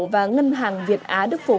và ngân hàng việt á đức phổ